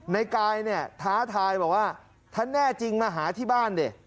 ในกายเนี่ยท้าทายบอกว่าถ้าแน่จริงมาหาที่บ้านดิ